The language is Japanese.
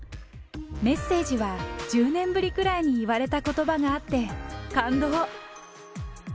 メッセージは、１０年ぶりぐらいに言われたことばがあって、感動。